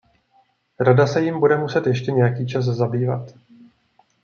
Rada se jím bude muset ještě nějaký čas zabývat.